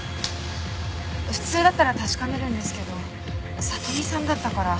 普通だったら確かめるんですけどさとみさんだったから。